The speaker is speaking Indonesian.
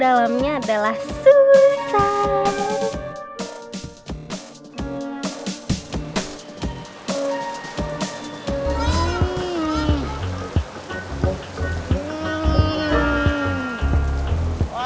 dalamnya adalah susah